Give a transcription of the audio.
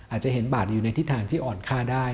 อาจจะเห็นบาทอยู่ในทิศทางที่อ่อนค่าได้